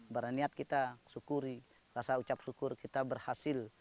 kita harus bersyukuri rasa ucap syukur kita berhasil